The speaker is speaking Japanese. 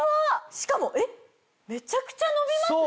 しかもえっめちゃくちゃのびますね！